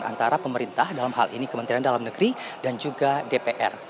antara pemerintah dalam hal ini kementerian dalam negeri dan juga dpr